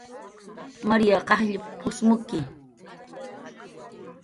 "Marya qajll p""usmukki"